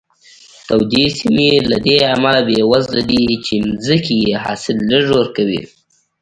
تودې سیمې له دې امله بېوزله دي چې ځمکې یې حاصل لږ ورکوي.